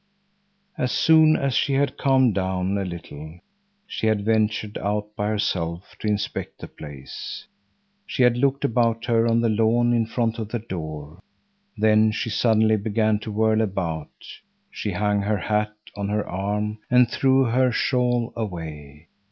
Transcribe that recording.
As soon as she had calmed down a little she had ventured out by herself to inspect the place. She had looked about her on the lawn in front of the door. Then she suddenly began to whirl about; she hung her hat on her arm and threw her shawl away.